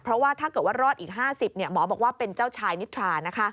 เพราะว่าถ้าเกิดว่ารอดอีก๕๐หมอบอกว่าเป็นเจ้าชายนิทรา